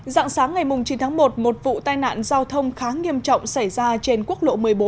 dạng sáng ngày chín tháng một một vụ tai nạn giao thông khá nghiêm trọng xảy ra trên quốc lộ một mươi bốn